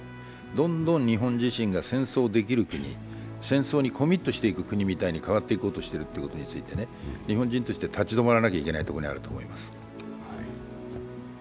どんどん日本自身が戦争できる国、戦争にコミットする国に変わっていこうとしていて日本人として立ち止まらなきゃいけないところにあると思います。